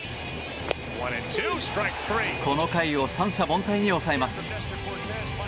この回を三者凡退に抑えます。